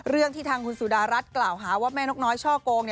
เรื่องที่ทางคุณสุดารัฐกล่าวหาว่าแม่นกน้อยช่อโกง